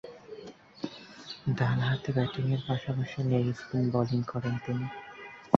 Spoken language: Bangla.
ডানহাতে ব্যাটিংয়ের পাশাপাশি লেগ স্পিন বোলিং করেন তিনি।